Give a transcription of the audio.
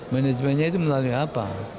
manajemennya itu melalui apa